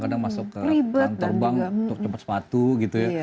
kadang masuk ke kantor bank untuk cepat sepatu gitu ya